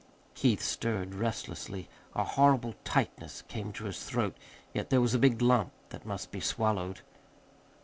Keith stirred restlessly. A horrible tightness came to his throat, yet there was a big lump that must be swallowed.